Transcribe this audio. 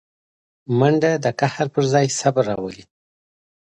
منډه د قهر پر ځای صبر راولي